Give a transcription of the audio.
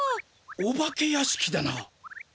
お化け屋敷だな。